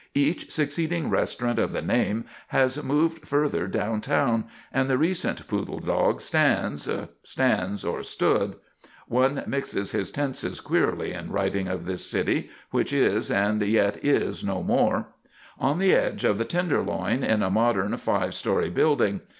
Each succeeding restaurant of the name has moved further downtown; and the recent Poodle Dog stands stands or stood; one mixes his tenses queerly in writing of this city which is and yet is no more on the edge of the Tenderloin in a modern five story building.